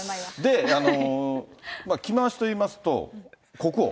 で、着回しといいますと、国王。